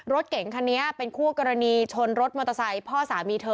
รถเก๋งคันนี้เป็นคู่กรณีชนรถมอเตอร์ไซค์พ่อสามีเธอ